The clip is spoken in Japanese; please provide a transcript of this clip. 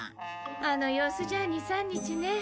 あの様子じゃ２３日ね。